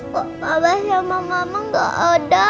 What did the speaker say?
pak bos sama mama gak ada